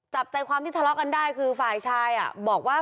จับใจความที่ทะเลาะกันได้คือฝ่ายชายบอกว่า